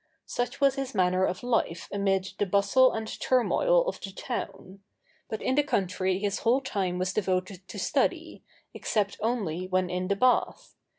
Such was his manner of life amid the bustle and turmoil of the town: but in the country his whole time was devoted to study, except only when in the bath.